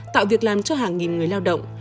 tạo việc làm cho hàng nghìn người lao động